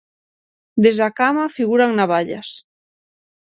Desde a cama figuran navallas.